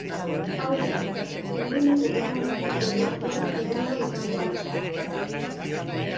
Hau da, eguneko gramo bateko dosia segurua izango da.